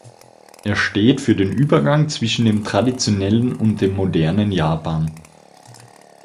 Er steht für den Übergang zwischen dem traditionellen und dem modernen Japan.